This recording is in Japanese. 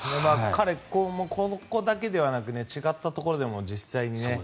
彼、ここだけではなく違ったところでも実際にね。